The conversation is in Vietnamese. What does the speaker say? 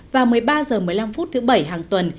và một mươi ba h một mươi năm phút thứ bảy hàng tuần